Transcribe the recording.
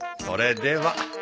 それでは。